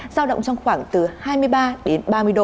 giao động trong khoảng từ hai mươi ba đến ba mươi độ